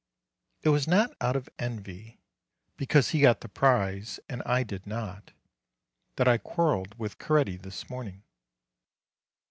It was not out of envy, because he got the prize and I did not, that I quarrelled with Coretti this morning.